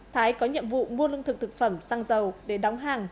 thái có nhiệm vụ mua lương thực thực phẩm sang giàu để đóng hàng